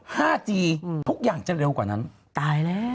ห้าจีอืมทุกอย่างจะเร็วกว่านั้นตายแล้ว